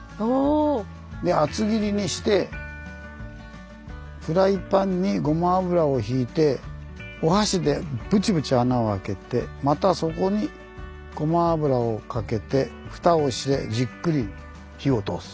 おお。で厚切りにしてフライパンにごま油をひいてお箸でぶちぶち穴を開けてまたそこにごま油をかけて蓋をしてじっくり火を通す。